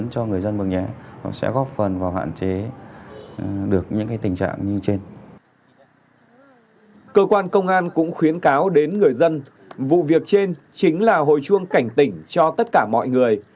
cơ quan công an cũng khuyến cáo đến người dân vụ việc trên chính là hội chuông cảnh tỉnh cho tất cả mọi người